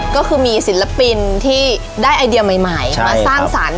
ก็คือมีศิลปินที่ได้ไอเดียใหม่มาสร้างสรรค์